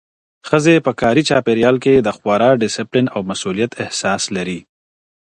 ښځې په کاري چاپیریال کي د خورا ډسپلین او مسؤلیت احساس لري